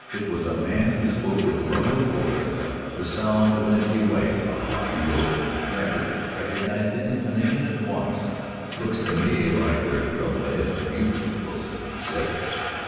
It was a man who spoke with rumbling voice like the sound of an empty wagon on a rocky road. Lambert recognized the intonation at once. "It looks to me like there's trouble ahead for you, Mr. Wilson," he said.